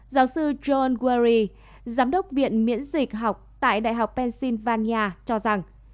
giáo sư john wari giám đốc viện miễn dịch học tại đại học pennsylvania cho rằng